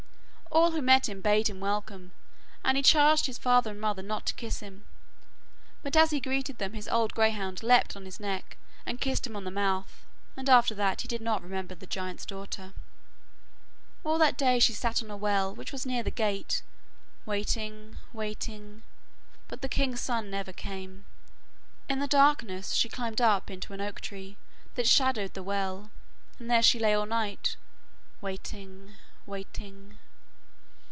All who met him bade him welcome, and he charged his father and mother not to kiss him, but as he greeted them his old greyhound leapt on his neck, and kissed him on the mouth. And after that he did not remember the giant's daughter. All that day she sat on a well which was near the gate, waiting, waiting, but the king's son never came. In the darkness she climbed up into an oak tree that shadowed the well, and there she lay all night, waiting, waiting.